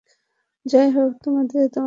যাইহোক, তোমাকে ধন্যবাদ।